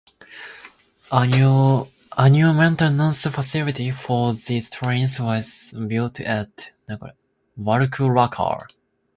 A new maintenance facility for these trains was built at Wulkuraka.